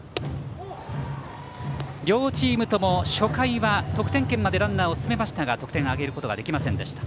両チームとも初回は得点圏までランナーを進めましたが得点を挙げることができませんでした。